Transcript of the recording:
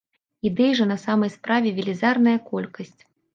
Ідэй жа на самай справе велізарная колькасць.